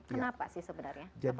kenapa sih sebenarnya